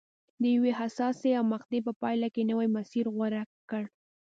د یوې حساسې مقطعې په پایله کې یې نوی مسیر غوره کړ.